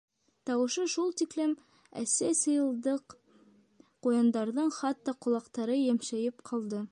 Тауышы шул тиклем әсе сыйылдыҡ, ҡуяндарҙың хатта ҡолаҡтары йәмшәйеп ҡалды.